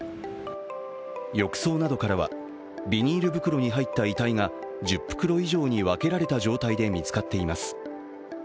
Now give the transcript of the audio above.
浴槽などからはビニール袋に入った遺体が１０袋以上に分けられた状態で見つかっています。